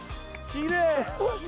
きれい。